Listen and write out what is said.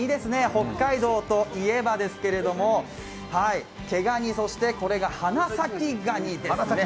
北海道といえばですけれども、毛ガニ、そしてこれがハナサキガニですね。